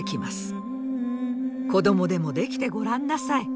子供でもできてごらんなさい。